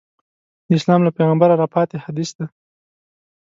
د اسلام له پیغمبره راپاتې حدیث دی.